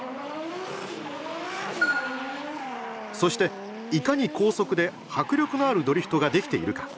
そしていかに高速で迫力のあるドリフトができているか。